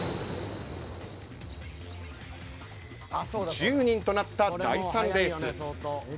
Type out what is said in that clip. １０人となった第３レース。